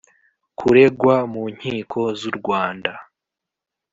kuregwa mu nkiko z u Rwanda